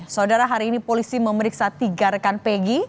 saudara hari ini polisi memeriksa tiga rekan pegi